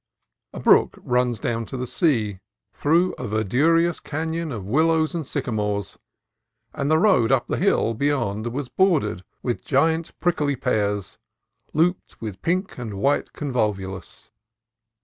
A brook runs down to the sea through a verdurous THE REFUGIO PASS 93 canon of willows and sycamores, and the road up the hill beyond was bordered with giant prickly pears looped with pink and white convolvulus.